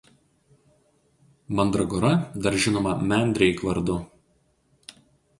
Mandragora dar žinoma "mandrake" vardu.